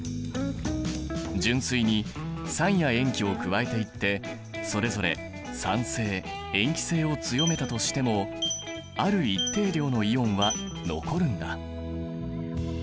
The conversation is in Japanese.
純水に酸や塩基を加えていってそれぞれ酸性塩基性を強めたとしてもある一定量のイオンは残るんだ。